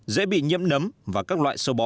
dễ bị nhiễm nấm và các loại sâu bọ